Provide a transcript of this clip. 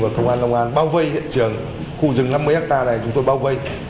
và công an long an bao vây hiện trường khu rừng năm mươi hectare này chúng tôi bao vây